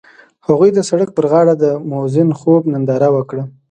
هغوی د سړک پر غاړه د موزون خوب ننداره وکړه.